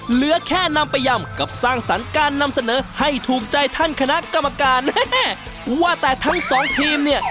เหลือแค่นำไปยำกับสร้างสรรค์การนำเสนอให้ถูกใจท่านคณะกรรมการว่าแต่ทั้งสองทีมเนี่ย